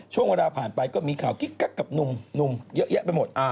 ช่วงเวลาผ่านไปก็มีข่าวกิ๊กกักกับหนุ่มเยอะแยะไปหมด